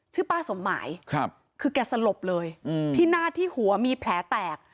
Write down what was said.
ชื่อป้าสมหมายคือแกสลบเลยที่หน้าที่หัวมีแผลแตก